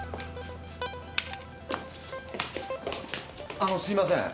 あのすいません。